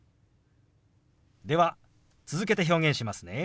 では続けて表現しますね。